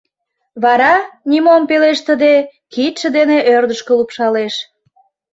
Вара, нимом пелештыде, кидше дене ӧрдыжкӧ лупшалеш.